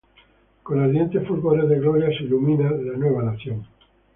Con ardientes fulgores de gloria Se ilumina la nueva nación.